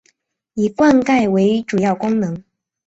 以灌溉为主要功能。